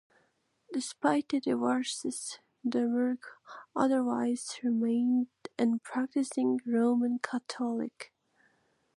Despite the divorces, Domergue otherwise remained a practicing Roman Catholic.